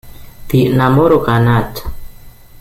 The Namoroka Nat.